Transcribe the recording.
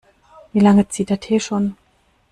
Wie lange zieht der Tee schon?